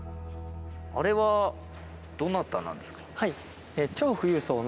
あれはどなたなんですか？